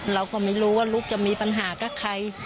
เราก็ไม่รู้ว่าลูกจะมีปัญหากับใคร